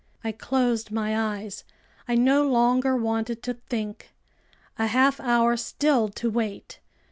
I closed my eyes. I no longer wanted to think. A half hour still to wait!